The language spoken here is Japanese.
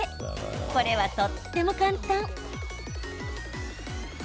これは、とっても簡単。